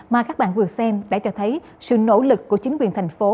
mà các bạn vừa xem đã cho thấy sự nỗ lực của chính quyền thành phố